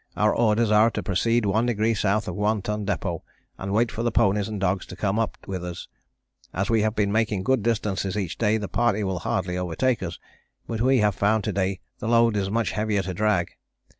Our orders are to proceed one degree south of One Ton Depôt and wait for the ponies and dogs to come up with us; as we have been making good distances each day, the party will hardly overtake us, but we have found to day the load is much heavier to drag.